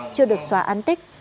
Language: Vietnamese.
chưa được xóa an tích